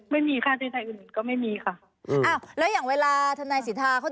ไม่มีค่าใช้อื่นอื่นก็ไม่มีค่ะอ้าวแล้วอย่างเวลาทนายสิทธาเขา